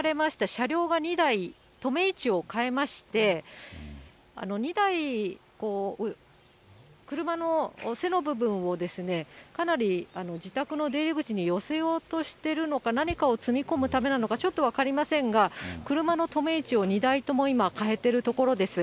車両が２台、止め位置を変えまして、２台、車の背の部分を、かなり自宅の出入り口に寄せようとしてるのか、何かを積み込むためなのか、ちょっと分かりませんが、車の止め位置を２台とも今、変えているところです。